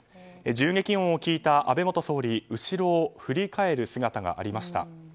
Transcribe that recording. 銃撃音を聞いた安倍元総理後ろを振り返る姿がありました。